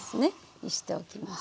にしておきます。